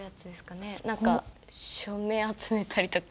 何か署名集めたりとか。